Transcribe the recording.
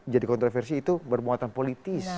jadi kontroversi itu bermuatan politis